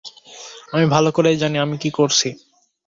আমি ভালো করেই জানি আমি কি করছি।